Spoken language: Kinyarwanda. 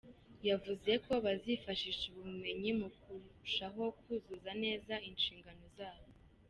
Yavuze ko bazifashisha ubu bumenyi mu kurushaho kuzuza neza inshingano zabo.